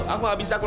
aku gak mau